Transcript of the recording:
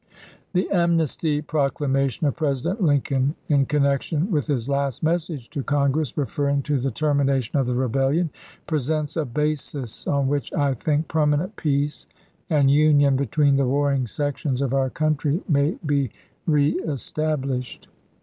The Amnesty Proclamation of President Lin coln in connection with his last message to Con gress, referring to the termination of the rebellion, presents a basis on which I think permanent peace and union between the warring sections of our country may be reestablished.